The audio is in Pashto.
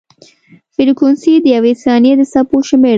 فریکونسي د یوې ثانیې د څپو شمېر دی.